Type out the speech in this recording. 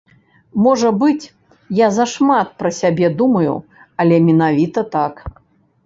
Можа быць, я зашмат пра сябе думаю, але менавіта так.